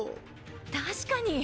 確かに！